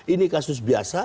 ini kasus biasa